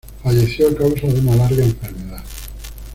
Falleció a causa de una larga enfermedad.